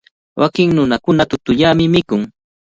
Wakin nunakunaqa tutallami mikun.